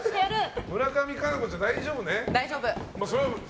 村上佳菜子ちゃん、大丈夫ね。